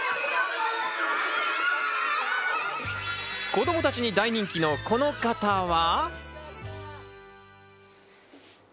子供たちに大人気のこの方は。